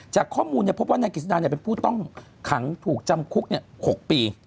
จากข้อมูลพบว่านายกิจสดาเป็นผู้ต้องขังถูกจำคุก๖ปี